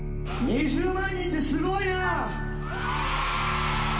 ２０万人ってすごいなー。